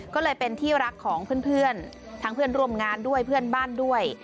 ก็เลยเป็นที่รักของเพื่อนทั้งเพื่อนร่วมงานด้วยเพื่อนบ้านด้วย